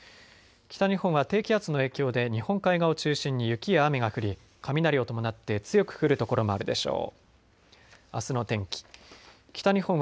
北日本は低気圧の影響で日本海側を中心に雪や雨が降り雷を伴って強く降る所もあるでしょう。